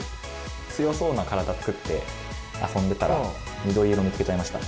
強そうな体作って遊んでたら緑色見つけちゃいました。